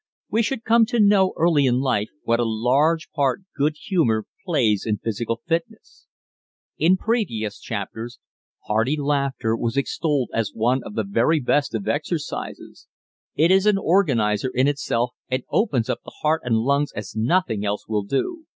We should come to know early in life what a large part good humor plays in physical fitness. In previous chapters hearty laughter was extolled as one of the very best of exercises. It is an organizer in itself and opens up the heart and lungs as nothing else will do.